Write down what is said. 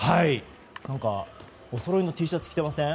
おそろいのＴシャツ着てません？